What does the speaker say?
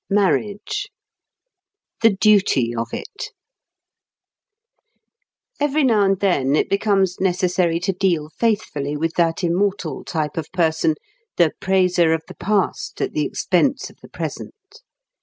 V MARRIAGE THE DUTY OF IT Every now and then it becomes necessary to deal faithfully with that immortal type of person, the praiser of the past at the expense of the present.